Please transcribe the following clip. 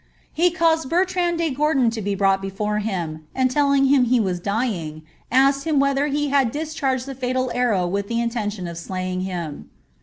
He caused Bertrand de Gordon to be brought before bio), and telling hiffl he was dying, asked him whether he had discharged the &tal arrow with the intention of slaying him.